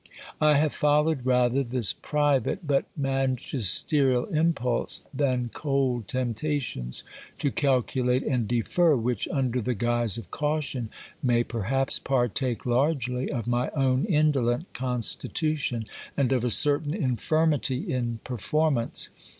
I have followed rather this private but magisterial impulse than cold temptations to calculate and defer, which, under the guise of caution, may perhaps partake largely of my own indolent constitution, and of a certain infirmity in performance.